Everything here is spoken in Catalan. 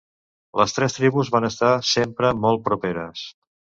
Les tres tribus van estar sempre molt properes.